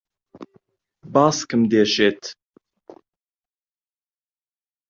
باسکم دێشێت.